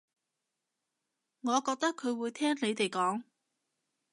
我覺得佢會聽你哋講